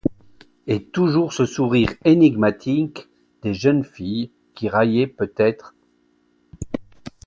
Et toujours ce sourire énigmatique des jeunes filles, qui raillait peut-être.